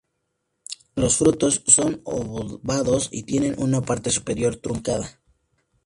Los frutos son obovados y tienen una parte superior truncada.